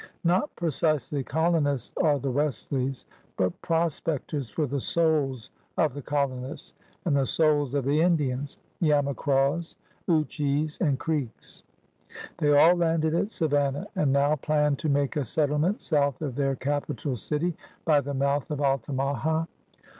Not precisely colonists are the Wesleys, but prospectors for the souls of the colo nists, and the souls of the Indians — Yamacraws, lichees, and Creeks. They all landed at Savannah, and now planned to make a settement south of their capital city, by the mouth of Altamaha.